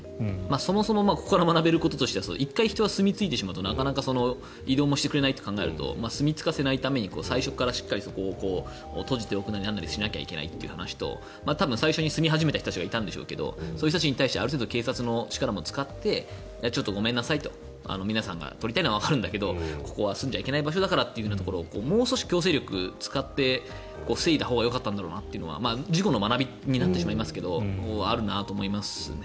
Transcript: そもそも、ここから学べることは１回人は住み着いてしまうとなかなか移動もしてくれないって考えると住み着かせないために最初から、そこをしっかりと閉じておくなりなんなりしなきゃいけないという話と多分、最初に住み始めた人がいたんでしょうけどそういう人たちに対してある程度、警察の力も使ってちょっと、ごめんなさい皆さんが取りたいのはわかるんだけどここは住んじゃいけない場所だからというのをもうちょっと強制力を使って防いだほうがよかったんだろうなというのは事故の学びになってしまいますがあるんだろうと思いますね。